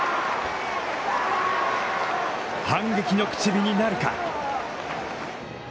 反撃の口火になるか。